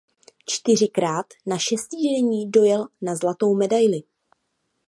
Čtyřikrát na Šestidenní dojel na zlatou medaili.